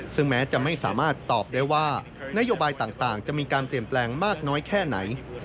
ซึ่งแม้จะไม่สามารถตอบได้ว่านโยบายต่างจะมีการเปลี่ยนแปลงมากน้อยแค่ไหน